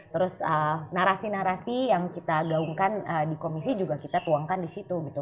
terus narasi narasi yang kita gaungkan di komisi juga kita tuangkan di situ gitu